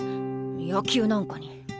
野球なんかに。